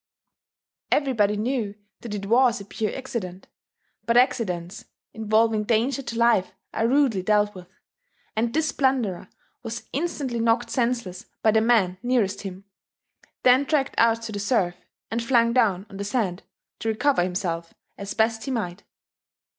Everybody knew that it was a pure accident; but accidents involving danger to life are rudely dealt with, and this blunderer was instantly knocked senseless by the men nearest him, then dragged out of the surf and flung down on the sand to recover himself as best he might.